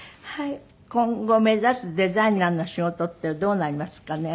今後目指すデザイナーの仕事ってどうなりますかね？